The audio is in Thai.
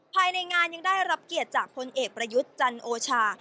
ภายในงานยังได้รับเกียรติจากพลเอกประยุทธ์จันโอชา